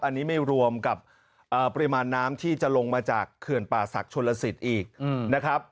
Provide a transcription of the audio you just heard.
อันนี้ไม่รวมกับปริมาณน้ำที่จะลงมาจากเขื่อนป่าศักดิ์ชนลสิทธิ์อีกนะครับ